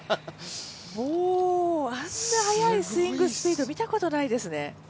もうあんな速いスイングスピード見たことないですね。